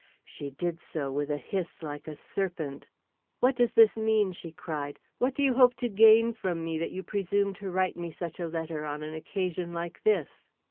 She did so with a hiss like a serpent. "What does this mean?" she cried. "What do you hope to gain from me, that you presume to write me such a letter on an occasion like this?"